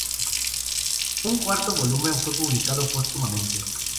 Un cuarto volumen fue publicado póstumamente.